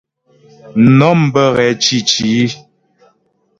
Mnɔm bə́ ghɛ̂ cǐci.